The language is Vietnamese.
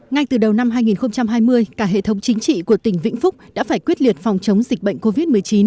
ngay từ đầu năm hai nghìn hai mươi cả hệ thống chính trị của tỉnh vĩnh phúc đã phải quyết liệt phòng chống dịch bệnh covid một mươi chín